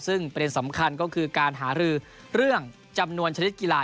ซึ่งประเด็นสำคัญก็คือการหารือเรื่องจำนวนชนิดกีฬา